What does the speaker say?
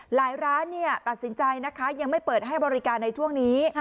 หลายร้านตัดสินใจนะคะยังไม่เปิดให้บริการในช่วงนี้